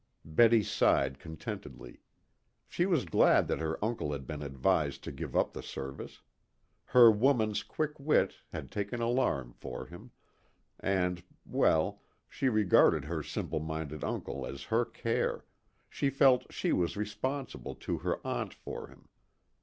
Betty sighed contentedly. She was glad that her uncle had been advised to give up the service. Her woman's quick wit had taken alarm for him, and well, she regarded her simple minded uncle as her care, she felt she was responsible to her aunt for him.